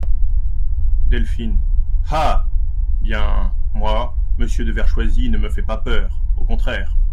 Delphine Ah ! bien, moi, Monsieur de Vertchoisi ne me fait pas peur, au contraire …